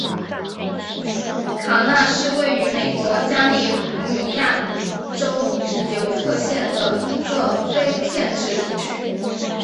卡纳是位于美国加利福尼亚州比尤特县的一个非建制地区。